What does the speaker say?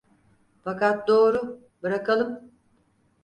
Fakat doğru, bırakalım…